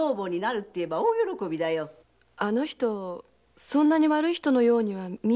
あの人そんなに悪い人のようには見えないけど。